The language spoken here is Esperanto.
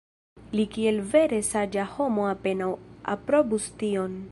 Li kiel vere saĝa homo apenaŭ aprobus tion.